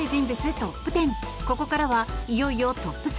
トップ１０ここからは、いよいよトップ３。